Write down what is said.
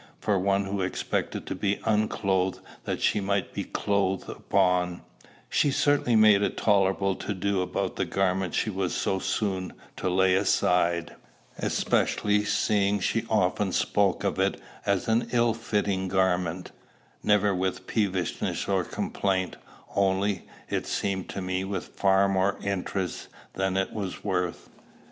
For one who expected to be unclothed that she might be clothed upon, she certainly made a tolerable to do about the garment she was so soon to lay aside; especially seeing she often spoke of it as an ill fitting garment never with peevishness or complaint, only, as it seemed to me, with far more interest than it was worth.